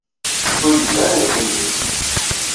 Ur yelli ara yeqqim din.